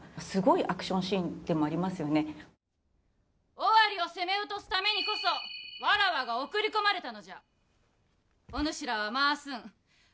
尾張を攻め落とすためにこそわらわが送り込まれたのじゃ。